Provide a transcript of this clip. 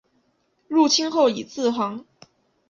入清后以字行。